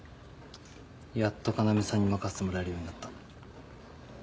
やっと要さんに任せてもらえるようになった。